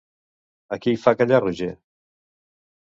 A qui fa callar Roger?